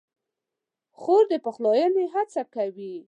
خور د پخلاینې هڅه کوي.